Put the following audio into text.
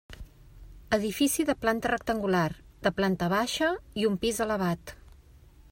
Edifici de planta rectangular, de planta baixa i un pis elevat.